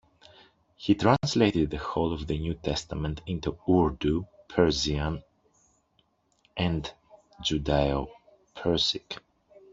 He translated the whole of the New Testament into Urdu, Persian and Judaeo-Persic.